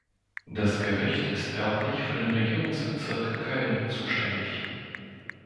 Das Gericht ist örtlich für den Regierungsbezirk Köln zuständig.